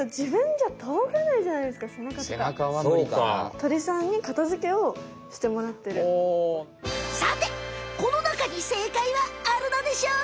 鳥さんにさてこのなかに正解はあるのでしょうか？